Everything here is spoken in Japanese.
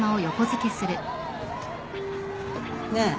ねえ。